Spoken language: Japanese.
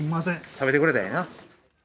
食べてくれたらええな。